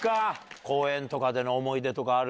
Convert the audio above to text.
公園とかでの思い出とかある？